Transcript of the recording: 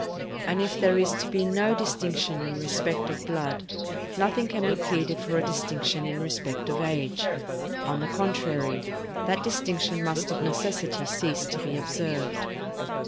And if there is to be no distinction in respect of blood, nothing can be pleaded for a distinction in respect of age. On the contrary, that distinction must of necessity cease to be observed.